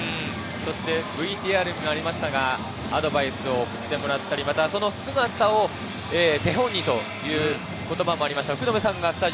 ＶＴＲにもありましたが、アドバイスを送ってもらったり、その姿を手本にという言葉もありました、福留さん。